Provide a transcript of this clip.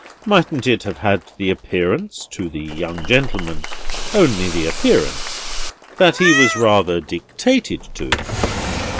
Mightn't it have had the appearance, to the young gentleman—only the appearance—that he was rather dictated to?"